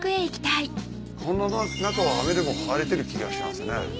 この中は雨でも晴れてる気がしますね。